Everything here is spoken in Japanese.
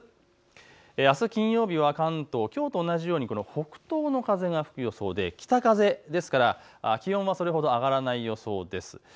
まずあす金曜日は関東、きょうと同じように北東の風が吹く予想で北風ですから気温はそれほど上がらない予想です。